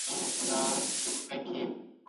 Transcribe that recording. پر لرې ختيځ باندې بريد وشو.